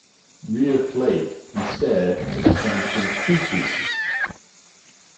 Rear plate, instead, was changed in two pieces.